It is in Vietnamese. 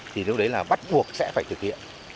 thì lúc đấy là bắt buộc sẽ phải thực hiện